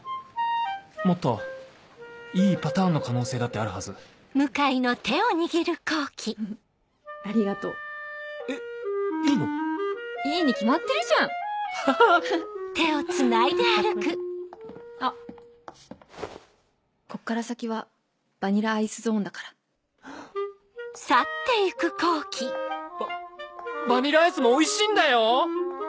もっといいパターンの可能性だってあるはずありがとうえっいいの⁉こっから先はバニラアイスゾーンだからババニラアイスもおいしいんだよ！